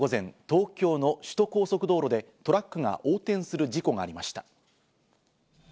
今日午前、東京の首都高速道路でトラックが横転する事故がありました。